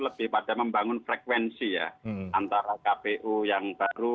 lebih pada membangun frekuensi ya antara kpu yang baru